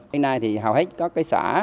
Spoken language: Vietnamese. hôm nay thì hầu hết có cái xã